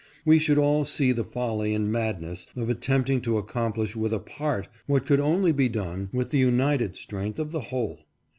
We should all see the folly and madness of attempting to accomplish with a part what could only be done with the united strength of the whole.